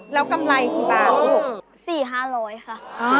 แล้วกำไรปีบานที่๖๔๕๐๐บาทค่ะ